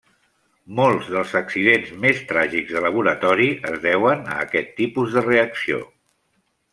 Molts dels accidents més tràgics de laboratori es deuen a aquest tipus de reacció.